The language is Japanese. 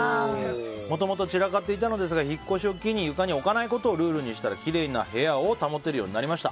もともと散らかっていたのですが引っ越しを機に床に置かないことをルールにしたらきれいな部屋を保てるようになりました。